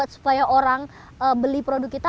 supaya orang beli produk kita